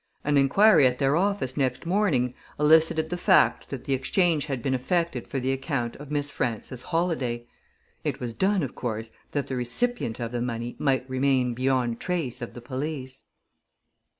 An inquiry at their office next morning elicited the fact that the exchange had been effected for the account of Miss Frances Holladay. It was done, of course, that the recipient of the money might remain beyond trace of the police.